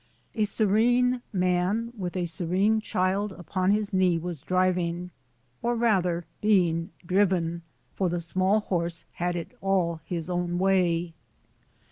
A serene man with a serene child upon his knee was driving, or rather being driven, for the small horse had it all his own way.